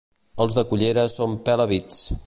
Els de Cullera són pela-vits.